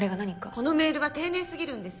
このメールは丁寧すぎるんです